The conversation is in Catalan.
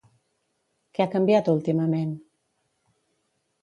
Què ha canviat últimament?